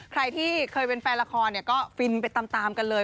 ใครที่เคยเป็นแฟนละครก็ฟินไปตามกันเลย